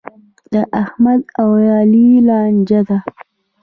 د احمد او علي لانجه ده.